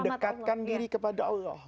mendekatkan diri kepada allah